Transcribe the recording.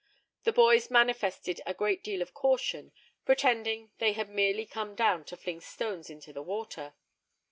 The boys manifested a great deal of caution, pretending they had merely come down to fling stones into the water.